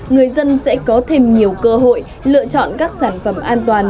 người dân sẽ có thêm nhiều cơ hội lựa chọn các sản phẩm an toàn